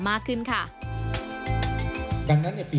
กระแสรักสุขภาพและการก้าวขัด